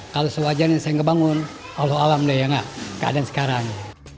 kalau sewajarnya saya ngebangun allah alhamdulillah ya nggak keadaan sekarang